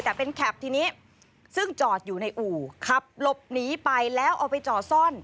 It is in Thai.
แต่เป็นแคปทีนี้ซึ่งจอดอยู่ในอู่ขับหลบหนีไปแล้วเอาไปจอดซ่อน